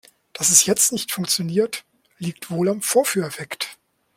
Dass es jetzt nicht funktioniert, liegt wohl am Vorführeffekt.